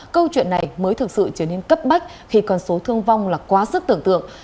câu chuyện này mới thực sự trở nên cấp bách khi con số thương vong là quá sức tưởng tượng